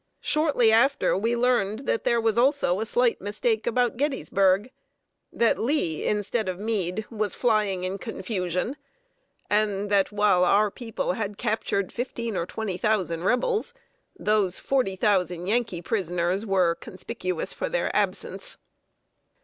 Shortly after, we learned that there was also a slight mistake about Gettysburg that Lee, instead of Meade, was flying in confusion; and that, while our people had captured fifteen or twenty thousand Rebels, those forty thousand Yankee prisoners were "conspicuous for their absence."